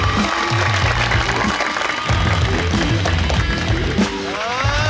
หรือยังไงวะ